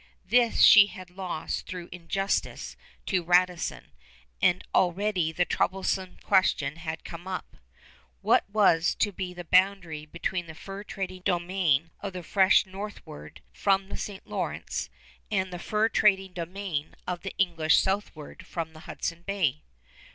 This she had lost through injustice to Radisson; and already the troublesome question had come up, What was to be the boundary between the fur trading domain of the French northward from the St. Lawrence and the fur trading domain of the English southward from Hudson Bay.